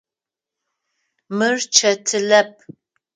Мыр чэтылэп.